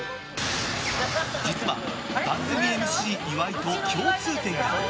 実は、番組ＭＣ岩井と共通点が。